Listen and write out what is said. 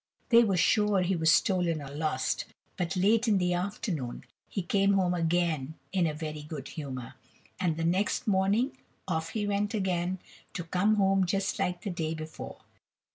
They were sure he was stolen or lost. But late in the afternoon he came home again in a very good humour. And the next morning off he went again, to come home just like the day before.